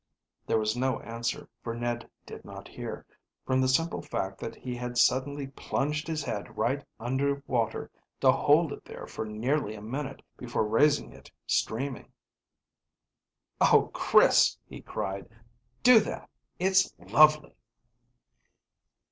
There was no answer, for Ned did not hear, from the simple fact that he had suddenly plunged his head right under water, to hold it there for nearly a minute, before raising it streaming. "Oh, Chris," he cried, "do that; it's lovely!"